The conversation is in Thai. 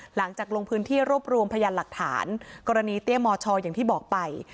หลังจากลงพื้นที่รวบรวมพยานหลักฐานกรณีเตี้ยมชอย่างที่บอกไป